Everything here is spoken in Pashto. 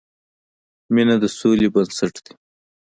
مینه د سولې بنسټ ده.